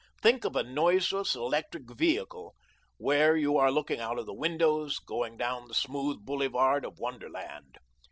Think of a noiseless electric vehicle, where you are looking out of the windows, going down the smooth boulevard of Wonderland.